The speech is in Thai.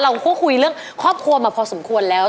เราก็คุยเรื่องครอบครัวมาพอสมควรแล้ว